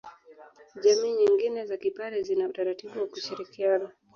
Jamii nyingi za kipare zina utaratibu wa kushirikiana